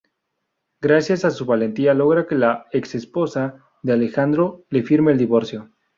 Gracias a su valentía logra que la ex-esposa de Alejandro le firme el divorcio.